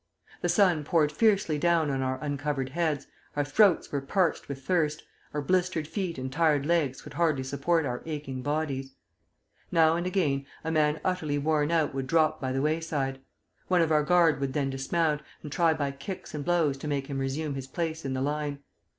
The sun poured fiercely down on our uncovered heads, our throats were parched with thirst, our blistered feet and tired legs could hardly support our aching bodies. Now and again a man utterly worn out would drop by the wayside. One of our guard would then dismount, and try by kicks and blows to make him resume his place in the line.